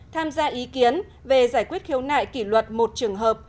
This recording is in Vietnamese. tham gia ý kiến về giải quyết khiếu nại kỷ luật một trường hợp